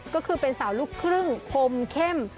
ก็คือเป็นสาวลูกครึ่งคมเข้ม